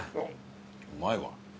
うまいわ。